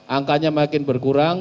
angkanya makin berkurang